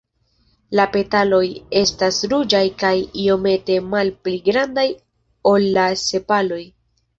La petaloj estas ruĝaj kaj iomete malpli grandaj ol la sepaloj.